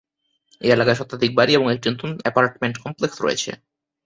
এই এলাকায় শতাধিক বাড়ি এবং একটি নতুন অ্যাপার্টমেন্ট কমপ্লেক্স রয়েছে।